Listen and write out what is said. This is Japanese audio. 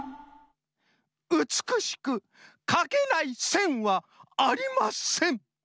うつくしくかけないせんはありません。